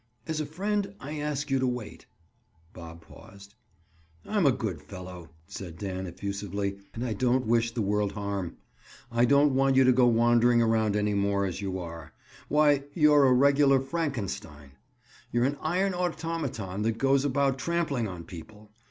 As a friend I ask you to wait." Bob paused. "I'm a good fellow," said Dan effusively, "and I don't wish the world harm. I don't want you to go wandering around any more as you are. Why, you're a regular Frankenstein. You're an iron automaton that goes about trampling on people.